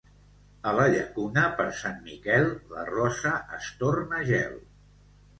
A la Llacuna, per Sant Miquel, la rosa es torna gel.